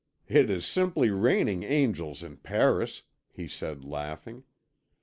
"It is simply raining angels in Paris," he said, laughing.